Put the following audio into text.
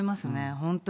本当に。